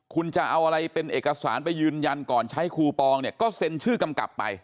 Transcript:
คุณจะเอาอะไรเป็นเอกสารไปยืนยันก่อนใช้คูปองเนี่ยก็เซ็นชื่อกำกับไป